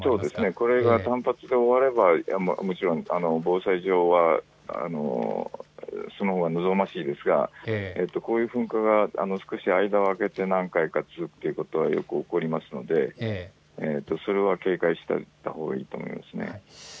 これが単発で終わればもちろん防災上は望ましいですがこういう噴火が少し間を空けて何回か続くということは起こりますので、それは警戒しておいたほうがいいと思います。